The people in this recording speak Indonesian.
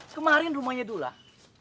terima kasih mak